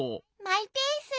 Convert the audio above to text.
マイペース。